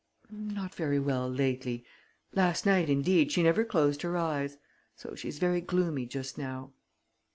"Not very well, lately. Last night, indeed, she never closed her eyes. So she's very gloomy just now."